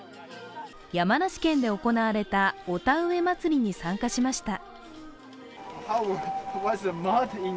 山梨県で行われたお田植え祭りに参加しました。